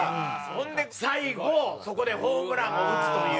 ほんで最後そこでホームランを打つという。